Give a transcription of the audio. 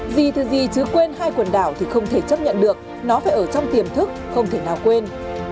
gì thì gì chứ quên hai quần đảo thì không thể chấp nhận được nó phải ở trong tiềm thức không thể nào quên